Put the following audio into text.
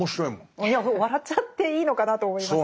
いや笑っちゃっていいのかなと思いました。